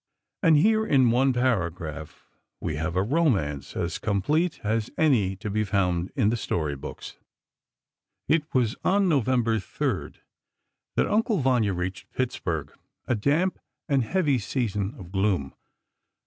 And here, in one paragraph, we have a romance as complete as any to be found in the story books. It was on November 3, that "Uncle Vanya" reached Pittsburgh, a damp and heavy season of gloom.